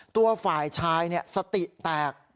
ตัวฝ่ายชายสติแตก